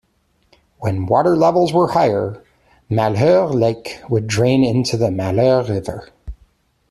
When water levels were higher, Malheur Lake would drain into the Malheur River.